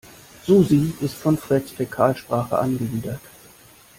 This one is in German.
Susi ist von Freds Fäkalsprache angewidert.